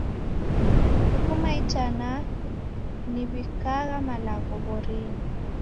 Kufuma itanaa niw'ikaghagha malagho w'orinyi.